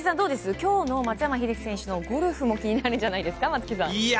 今日の松山英樹選手のゴルフも気になるんじゃないですか？